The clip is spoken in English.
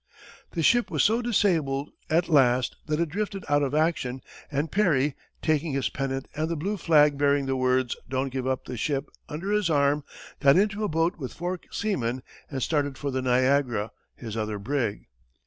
The ship was so disabled, at last, that it drifted out of action, and Perry, taking his pennant and the blue flag bearing the words "Don't give up the ship!" under his arm, got into a boat with four seamen, and started for the Niagara, his other brig.